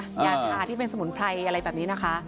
ยาทาที่เป็นสมุนไพรอะไรแบบนี้นะคะ